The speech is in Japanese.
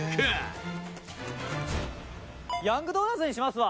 宮田：ヤングドーナツにしますわ。